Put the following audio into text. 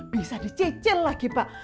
bisa dicecil lagi pak